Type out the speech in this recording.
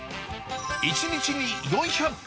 １日に４００杯。